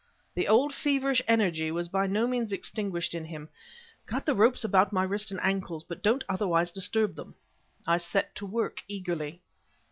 The old, feverish energy was by no means extinguished in him. "Cut the ropes about my wrists and ankles, but don't otherwise disturb them " I set to work eagerly.